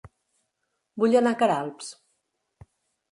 Vull anar a Queralbs